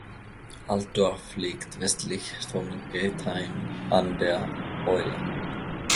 Altdorf liegt westlich von Geithain an der Eula.